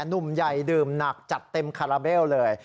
หนุ่มใหญ่ดื่มหนักจัดเต็มคาราเบลเลย